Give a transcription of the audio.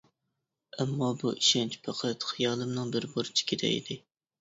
ئەمما بۇ ئىشەنچ پەقەت خىيالىمنىڭ بىر بۇرجىكىدە ئىدى.